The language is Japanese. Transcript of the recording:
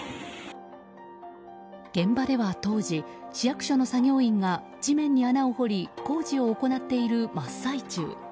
現場では当時市役所の作業員が地面に穴を掘り工事を行っている真っ最中。